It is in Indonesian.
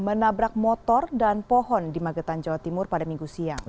menabrak motor dan pohon di magetan jawa timur pada minggu siang